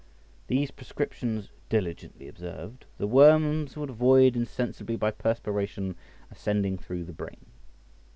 These prescriptions diligently observed, the worms would void insensibly by perspiration ascending through the brain.